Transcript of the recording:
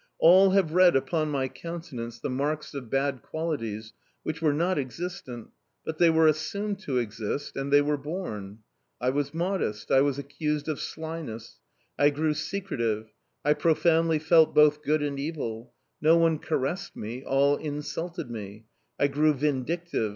All have read upon my countenance the marks of bad qualities, which were not existent; but they were assumed to exist and they were born. I was modest I was accused of slyness: I grew secretive. I profoundly felt both good and evil no one caressed me, all insulted me: I grew vindictive.